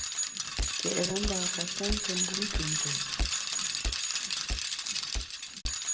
Ke’re mbâ ka sente mbum nkünzùm.